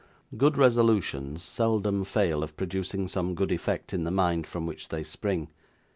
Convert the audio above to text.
Good resolutions seldom fail of producing some good effect in the mind from which they spring.